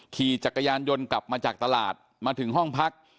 ขี่จักรยานยนต์กลับมาจากตลาดมาถึงห้องพัก